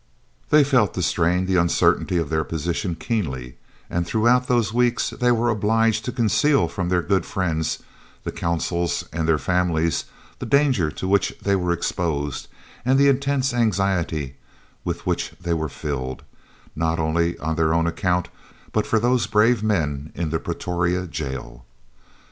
They felt the strain, the uncertainty of their position keenly, and throughout those weeks they were obliged to conceal from their good friends, the Consuls and their families, the danger to which they were exposed and the intense anxiety with which they were filled, not only on their own account, but for those brave men in the Pretoria jail.